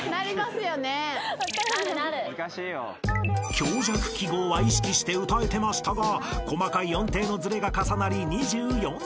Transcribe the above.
［強弱記号は意識して歌えてましたが細かい音程のずれが重なり２４点］